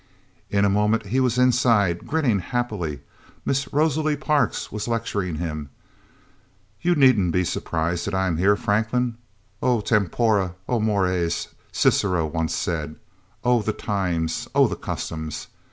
In a moment he was inside, grinning happily. Miss Rosalie Parks was lecturing him: "... You needn't be surprised that I am here, Franklin. 'O, tempora O, mores!' Cicero once said. 'O, the times! O, the customs!'